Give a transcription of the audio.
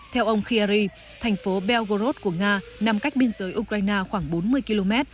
theo ông khayyari thành phố belgorod của nga nằm cách biên giới ukraine khoảng bốn mươi km